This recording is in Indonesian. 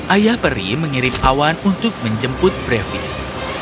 ayah peri mengirim awan untuk menjemput brevis